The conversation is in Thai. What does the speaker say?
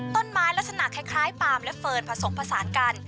ลักษณะคล้ายปาล์มและเฟิร์นผสมผสานกัน